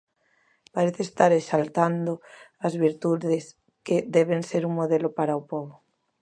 Parece estar exaltando as virtudes que deben ser un modelo para o pobo.